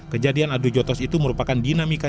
kejadian adu jotos itu merupakan dinamika